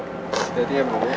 sudah diam bu